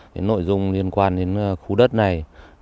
nội dung liên quan đến khu đất này